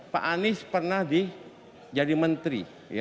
pak anies pernah jadi menteri